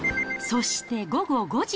そして午後５時。